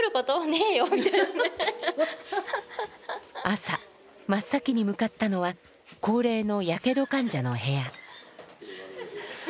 朝真っ先に向かったのは高齢のやけど患者の部屋。